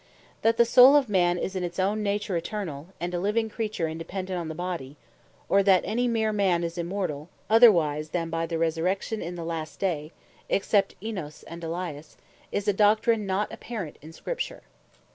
That the Soul of man is in its own nature Eternall, and a living Creature independent on the Body; or that any meer man is Immortall, otherwise than by the Resurrection in the last day, (except Enos and Elias,) is a doctrine not apparent in Scripture.